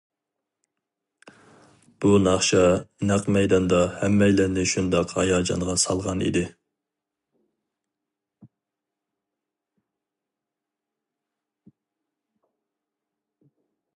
بۇ ناخشا نەق مەيداندا ھەممەيلەننى شۇنداق ھاياجانغا سالغان ئىدى.